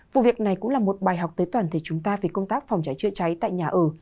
vụ việc này cũng là một bài học tới toàn thể chúng ta về công tác phòng cháy chữa cháy tại nhà ở